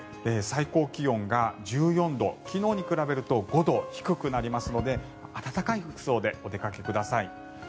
最高気温が１４度昨日に比べると５度低くなりますので暖かい服装でお出かけください。